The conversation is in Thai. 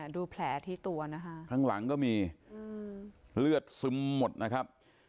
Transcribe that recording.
ดูแผลที่ตัวนะคะข้างหลังก็มีเลือดซึมหมดนะครับ